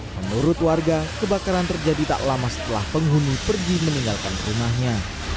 menurut warga kebakaran terjadi tak lama setelah penghuni pergi meninggalkan rumahnya